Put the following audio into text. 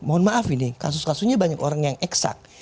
mohon maaf ini kasus kasusnya banyak orang yang eksak